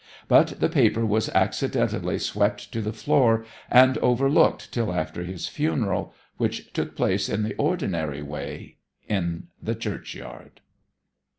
But the paper was accidentally swept to the floor, and overlooked till after his funeral, which took place in the ordinary way in the churchyard.